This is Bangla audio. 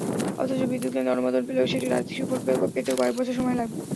অথচ বিদ্যুৎকেন্দ্রের অনুমোদন পেলেও সেটির আর্থিক সুফল পেতেও কয়েক বছর সময় লাগবে।